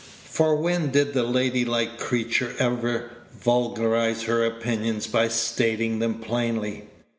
for when did the lady like creature ever vulgarize her opinions by stating them plainly?